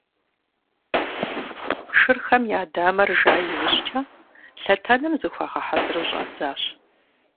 Шырхэм я дамэр жа иужькӀэ, лъэтэным зыхуагъэхьэзыру щӀадзащ.